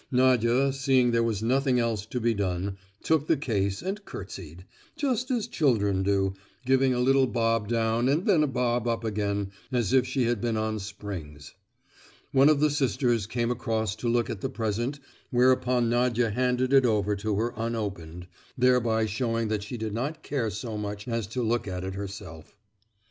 Nadia, seeing there was nothing else to be done, took the case and curtsied—just as children do, giving a little bob down and then a bob up again, as if she had been on springs. One of the sisters came across to look at the present whereupon Nadia handed it over to her unopened, thereby showing that she did not care so much as to look at it herself.